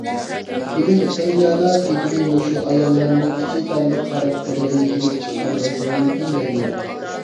كېلىن-قېيىنئانا جېدىلى مۇشۇ ئاياللارنىڭ ئىچى تارلىق خاراكتېرىدىن كېلىپ چىققان مەسىلىمىكىن دەيمەن.